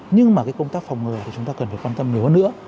nhưng mà cái công tác phòng ngừa thì chúng ta cần phải quan tâm nhiều hơn nữa